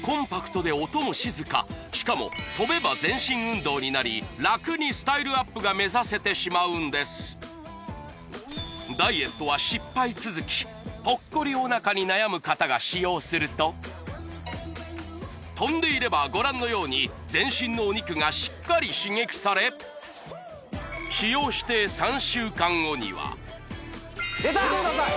しかも跳べば全身運動になり楽にスタイルアップが目指せてしまうんですダイエットは失敗続きぽっこりおなかに悩む方が使用すると跳んでいればご覧のように全身のお肉がしっかり刺激され使用して３週間後には見てください